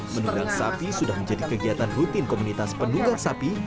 menunggang sapi sudah menjadi kegiatan rutin komunitas penunggang sapi